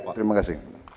ya terima kasih